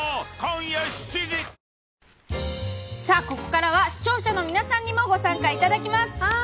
ここからは視聴者の皆さまにもご参加いただきます。